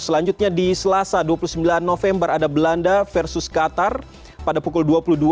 selanjutnya di selasa dua puluh sembilan november ada belanda versus qatar pada pukul dua puluh dua